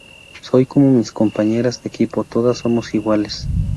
Soy como mis compañeras de equipo, todas somos iguales".